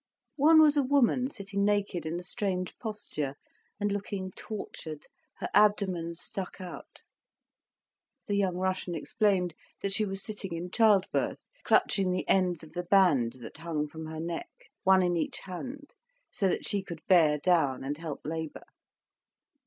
One was a woman sitting naked in a strange posture, and looking tortured, her abdomen stuck out. The young Russian explained that she was sitting in child birth, clutching the ends of the band that hung from her neck, one in each hand, so that she could bear down, and help labour.